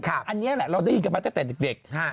อันนี้แหละเราได้ยินกันมาตั้งแต่เด็ก